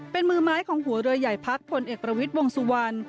เป็นมือไม้ของหัวเรือใหญ่พักพลเอกประวิทย์วงสุวรรณ